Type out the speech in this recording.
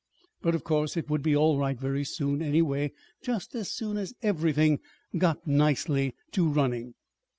But of course it would be all right very soon, anyway, just as soon as everything got nicely to running.